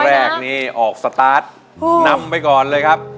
แรกนี่ออกสตาร์ทนำไปก่อนเลยครับ